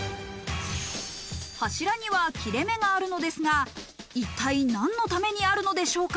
柱には切れ目があるのですが、一体、何のためにあるのでしょうか。